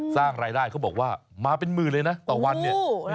สร้างรายได้เขาบอกว่ามาเป็นหมื่นเลยนะต่อวันเนี่ย